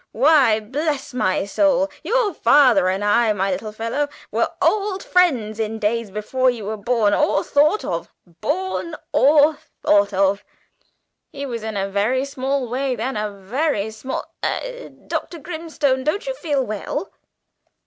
Why, bless my soul, your father and I, my little fellow, were old friends in days before you were born or thought of born or thought of. He was in a very small way then, a very small Eh, Dr. Grimstone, don't you feel well?"